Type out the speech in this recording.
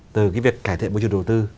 từ việc cải thiện môi trường đầu tư